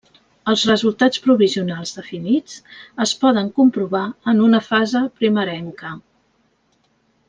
Els resultats provisionals definits es poden comprovar en una fase primerenca.